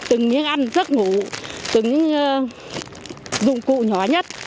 từng miếng ăn giấc ngủ từng dụng cụ nhỏ nhất